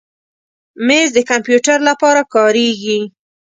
مېز د کمپیوټر لپاره کارېږي.